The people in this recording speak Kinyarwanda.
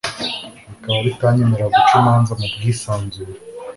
bikaba bitanyemerera guca imanza mu bwisanzure